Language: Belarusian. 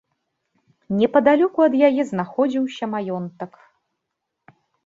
Непадалёку ад яе знаходзіўся маёнтак.